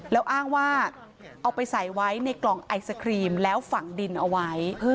แล้วอ้างว่าเอาไปใส่ไว้ในกล่องไอศครีมแล้วฝังดินเอาไว้